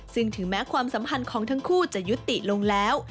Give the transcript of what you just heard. ซึ่งถึงแม้ความสัมพันธ์ของทั้งคู่จะยุติลงแล้ว